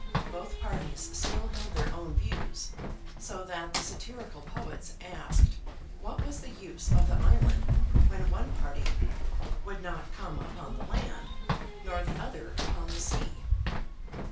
Both parties still held their own views, so that the satirical poets asked what was the use of the island, when one party "would not come upon the land, nor the other upon the sea?"